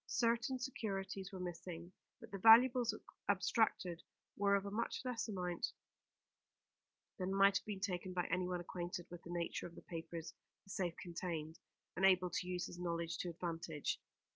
Certain securities were missing, but the valuables abstracted were of a much less amount than might have been taken by anyone acquainted with the nature of the papers the safe contained, and able to use his knowledge to advantage.